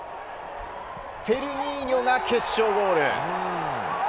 フェル・ニーニョが決勝ゴール。